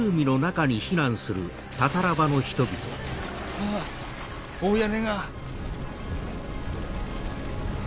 あぁ大屋根が。